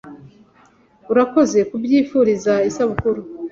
Urakoze Kubyifuriza Isabukuru